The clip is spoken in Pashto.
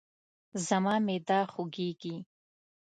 زما معده خوږیږي